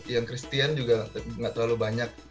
yang christian juga nggak terlalu banyak